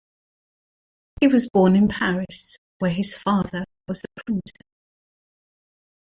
He was born in Paris, where his father was a printer.